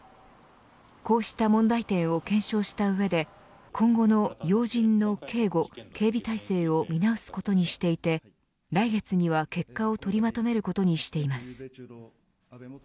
こうした問題点を検証した上で今後の要人の警護・警備体制を見直すことにしていて来月には結果を取りまとめることにしています。